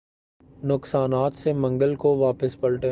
نقصانات سے منگل کو واپس پلٹے